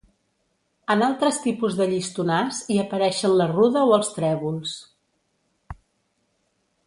En altres tipus de llistonars hi apareixen la ruda o els trèvols.